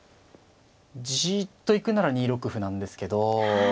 じっと行くなら２六歩なんですけど。